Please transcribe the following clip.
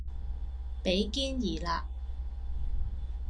比肩而立